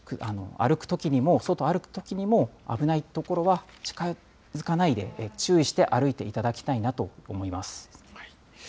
歩くときにも、外を歩くときにも、危ない所は近づかないで、注意して歩いていただきたいなと思いま